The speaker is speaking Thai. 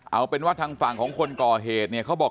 เอาเป็นว่าทางฝั่งของคนก่อเหตุเนี่ยเขาบอก